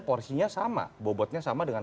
porsinya sama bobotnya sama dengan